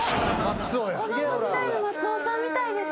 子供時代の松尾さんみたいですね。